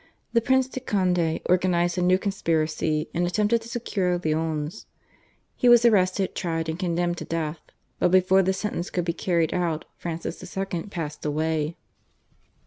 The Prince de Conde organised a new conspiracy and attempted to secure Lyons. He was arrested, tried, and condemned to death, but before the sentence could be carried out Francis II. passed away.